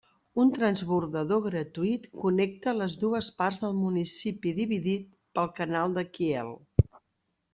Un transbordador gratuït connecta les dues parts del municipi dividit pel canal de Kiel.